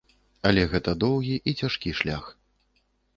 Але гэта доўгі і цяжкі шлях.